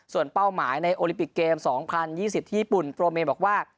ส่วนเป้าหมายในโอลิปิกเกมส์สองพันยี่สิบที่ญี่ปุ่นโปรเมบอกว่า